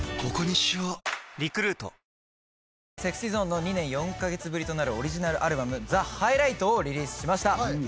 ＳｅｘｙＺｏｎｅの２年４カ月ぶりとなるオリジナルアルバム『ザ・ハイライト』をリリースしました。